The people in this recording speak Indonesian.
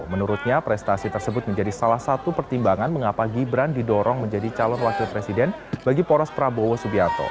menurutnya prestasi tersebut menjadi salah satu pertimbangan mengapa gibran didorong menjadi calon wakil presiden bagi poros prabowo subianto